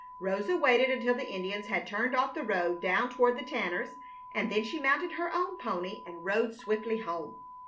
Rosa waited until the Indians had turned off the road down toward the Tanners', and then she mounted her own pony and rode swiftly home.